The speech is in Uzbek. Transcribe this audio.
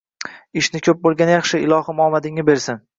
Ishni ko`p bo`lgani yaxshi, ilohim omadingni bersin